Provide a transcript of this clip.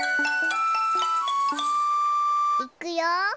いくよ。